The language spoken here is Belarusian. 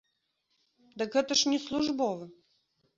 Дык гэта ж не службовы!